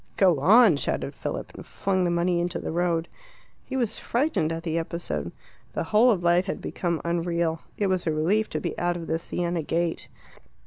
"Go on!" shouted Philip, and flung the money into the road. He was frightened at the episode; the whole of life had become unreal. It was a relief to be out of the Siena gate.